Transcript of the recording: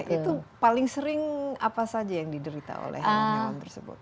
itu paling sering apa saja yang diderita oleh hewan hewan tersebut